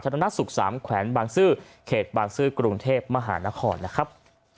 ทะละนักศุกร์๓แขวนบางซื่อเขตบางซื่อกรุงเทพฯมหานครนะครับ